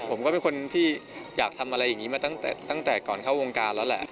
ผมก็เป็นคนที่อยากทำอะไรอย่างนี้มาตั้งแต่ก่อนเข้าวงการแล้วแหละ